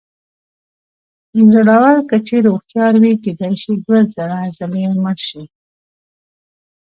زړور که چېرې هوښیار وي کېدای شي دوه زره ځلې مړ شي.